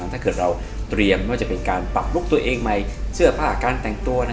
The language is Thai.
ถ้าเกิดเราเตรียมว่าจะเป็นการปรับลุคตัวเองใหม่เสื้อผ้าการแต่งตัว